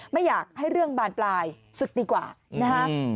ไม่อยากให้เรื่องบานปลายศึกดีกว่านะฮะ